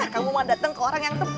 kamu mau datang ke orang yang tepat